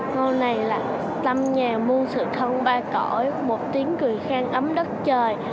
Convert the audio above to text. câu này là tâm nhà muôn sự thân ba cỏi một tiếng cười khăn ấm đất trời